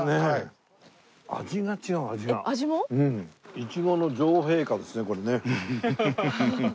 イチゴの女王陛下ですねこれね。